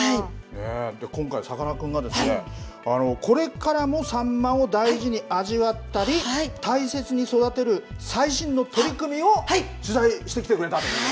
今回、さかなクンが、これからもサンマを大事に味わったり、大切に育てる、最新の取り組みを取材してきてくれたということで。